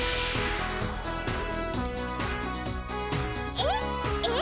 「えっ？えっ？